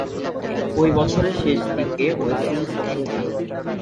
ঐ বছরের শেষদিকে West Indies সফরে যান।